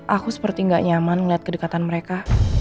aku seperti gak nyaman melihat kedekatan mereka